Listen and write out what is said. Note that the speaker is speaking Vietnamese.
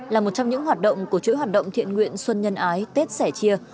là một trong những hoạt động của chuỗi hoạt động thiện nguyện xuân nhân ái tết sẻ chia